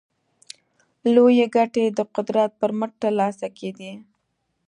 لویې ګټې د قدرت پر مټ ترلاسه کېدې.